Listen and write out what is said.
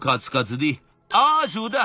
あそうだ！